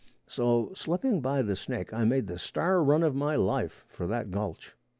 So slipping by the snake I made the star run of my life for that gulch.